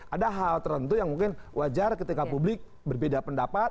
ada hal tertentu yang mungkin wajar ketika publik berbeda pendapat